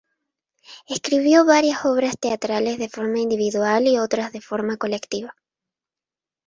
Escribió varias obras teatrales de forma individual y otras de forma colectiva.